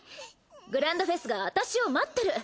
グランドフェスが私を待ってる！